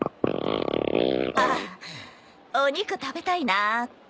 あっお肉食べたいなって。